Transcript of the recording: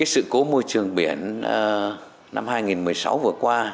sự cố môi trường biển năm hai nghìn một mươi sáu vừa qua